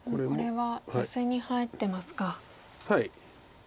はい。